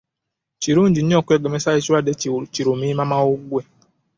Kirungi nnyo okwegemesa ekirwadde ki lumiimamawuggwe.